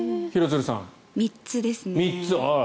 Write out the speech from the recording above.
３つですね。